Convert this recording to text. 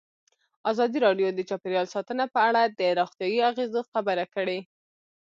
ازادي راډیو د چاپیریال ساتنه په اړه د روغتیایي اغېزو خبره کړې.